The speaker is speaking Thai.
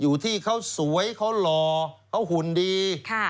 อยู่ที่เขาสวยเขาหล่อเขาหุ่นดี